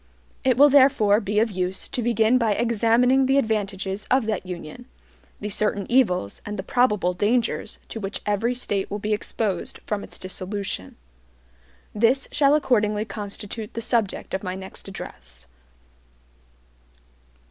It will therefore be of use to begin by examining the advantages of that Union, the certain evils, and the probable dangers, to which every State will be exposed from its dissolution. This shall accordingly constitute the subject of my next address.